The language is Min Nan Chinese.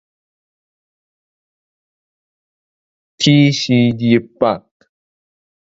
鐵食入腹